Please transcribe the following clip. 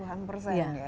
dua puluh an persen ya